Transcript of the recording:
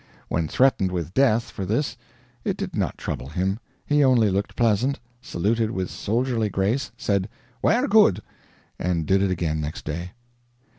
When threatened with death for this, it did not trouble him; he only looked pleasant, saluted with soldierly grace, said "Wair good," and did it again next day.